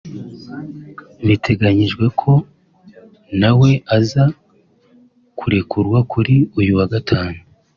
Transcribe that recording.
Biteganyijwe ko na we aza kurekurwa kuri uyu wa Gatanu